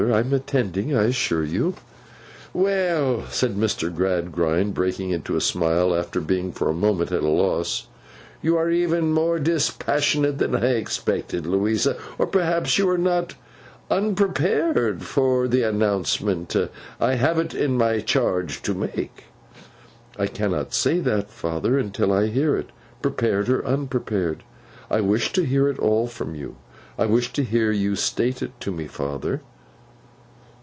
I am attending, I assure you.' 'Well!' said Mr. Gradgrind, breaking into a smile, after being for the moment at a loss, 'you are even more dispassionate than I expected, Louisa. Or, perhaps, you are not unprepared for the announcement I have it in charge to make?' 'I cannot say that, father, until I hear it. Prepared or unprepared, I wish to hear it all from you. I wish to hear you state it to me, father.